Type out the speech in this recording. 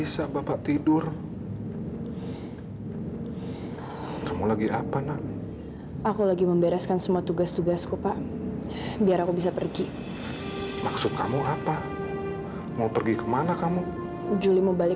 sampai jumpa di video selanjutnya